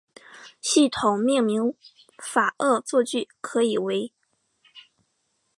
系统命名法恶作剧可以为